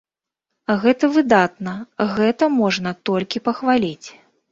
Гэта выдатна, гэта можна толькі пахваліць.